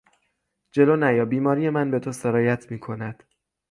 جلو نیا بیماری من به تو سرایت میکند!